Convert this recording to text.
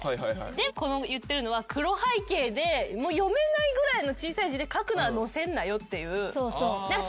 でこの言ってるのは黒背景で読めないぐらいの小さい字で書くのは載せんなよっていう。